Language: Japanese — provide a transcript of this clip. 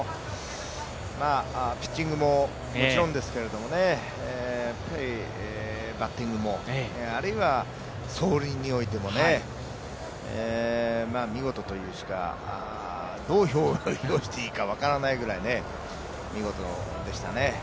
ピッチングももちろんですけど、やっぱりバッティングも、あるいは走塁においても見事というしか、見事というしか、どう表現していいか分からないぐらい見事でしたね。